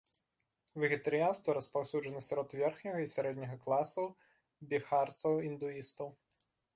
Вегетарыянства распаўсюджана сярод верхняга і сярэдняга класаў біхарцаў-індуістаў.